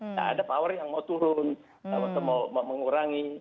tidak ada power yang mau turun atau mau mengurangi